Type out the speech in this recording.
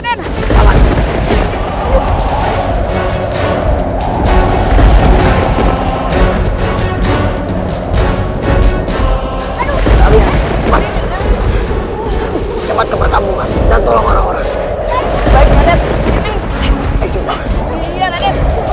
cepat ke pertambungan dan tolong orang orang